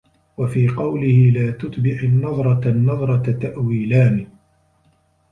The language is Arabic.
وَفِي قَوْلِهِ لَا تُتْبِعْ النَّظْرَةَ النَّظْرَةَ تَأْوِيلَانِ